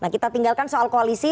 kita tinggalkan soal koalisi